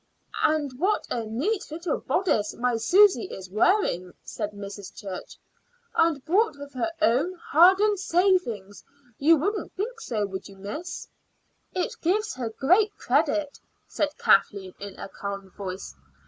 "And what a neat little bodice my Susy is wearing!" said Mrs. Church. "And bought with her own hard earned savings. You wouldn't think so, would you, miss?" "It gives her great credit," said Kathleen in a calm voice.